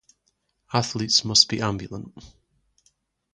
Athletes must be ambulant.